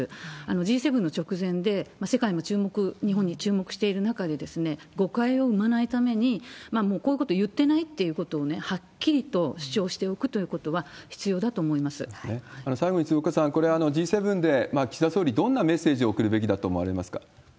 Ｇ７の直前で、世界も注目、日本に注目している中で、誤解を生まないために、こういうことを言ってないということをはっきりと主張しておくということは、必要だと最後に鶴岡さん、これ、Ｇ７で岸田総理、どんなメッセージを送るべきだと思われますか？